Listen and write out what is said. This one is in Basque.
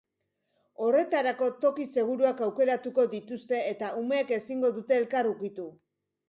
Horretarako, toki seguruak aukeratuko dituzte eta umeek ezingo dute elkar ukitu.